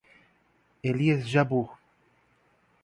Elias Jabbour